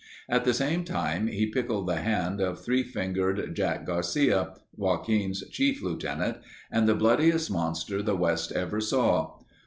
At the same time he pickled the hand of Three Fingered Jack Garcia, Joaquin's chief lieutenant, and the bloodiest monster the West ever saw.